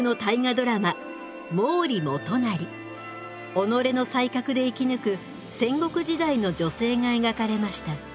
己の才覚で生き抜く戦国時代の女性が描かれました。